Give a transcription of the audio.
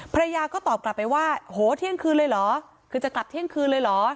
ภรรยาก็ตอบกลับไปว่าโหเที่ยงคืนเลยเหรอคือจะกลับเที่ยงคืนเลยเหรอ